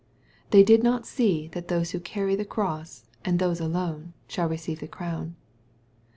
They did not see that those who carry the cross, and those alone, shall receive the crown.